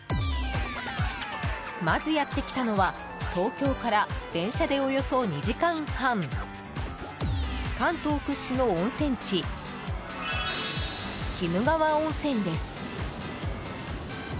まずやってきたのは東京から電車でおよそ２時間半関東屈指の温泉地鬼怒川温泉です。